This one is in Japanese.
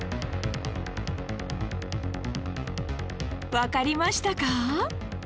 わかりましたか？